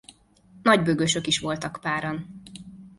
Nagybőgősök is voltak páran.